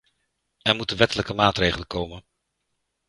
Er moeten wettelijke maatregelen komen.